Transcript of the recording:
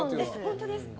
本当ですか？